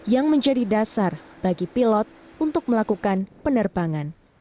yang menjadi dasar bagi pilot untuk melakukan penerbangan